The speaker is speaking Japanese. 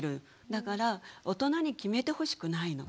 だから大人に決めてほしくないの。